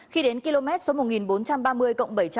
khi đến km số một nghìn bốn trăm ba mươi cộng bảy trăm linh